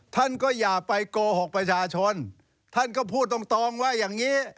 ท่านก็อย่าไปโกหกประชาชนท่านก็พูดตรงตรงว่าอย่างนี้